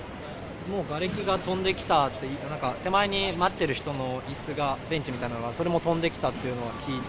もうがれきが飛んできたって、なんか手前で待っている人のいすが、ベンチみたいのが、それが飛んできたというのも聞いて。